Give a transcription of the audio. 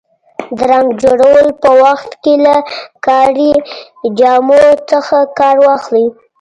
د رنګ جوړولو په وخت کې له کاري جامو څخه کار واخلئ.